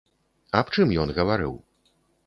Аб чым ён гаварыў?